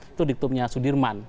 itu diktumnya sudirman